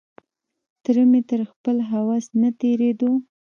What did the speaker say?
تره مې تر خپل هوس نه تېرېدو.